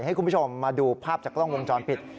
ให้คุณผู้ชมมาดูภาพจากกล้องวงจรปิด